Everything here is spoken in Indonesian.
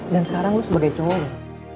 dan sekarang lo sebagai cowoknya